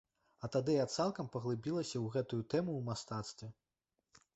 А тады я цалкам паглыбілася ў гэтую тэму ў мастацтве.